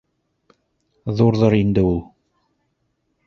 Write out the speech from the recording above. Ҙурҙыр инде ул...